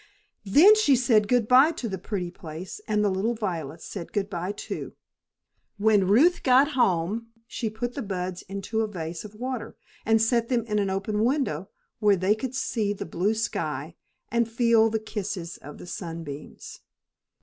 Then she said good by to the pretty place, and the little violets said good by, too. When Ruth got home, she put the buds into a vase of water, and set them in an open window where they could see the blue sky and feel the kisses of the sunbeams.